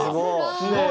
すごいよ。